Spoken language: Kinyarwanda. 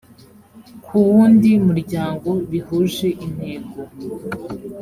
ku wundi muryango bihuje intego